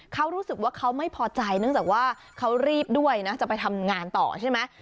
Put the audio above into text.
เขารู้สึกว่าเขาไม่พอใจเนื่องจากว่าเขารีบด้วยนะจะไปทำงานต่อใช่ไหม